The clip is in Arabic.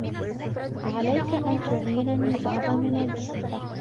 عليك أن تعيرني بعض ملابسك.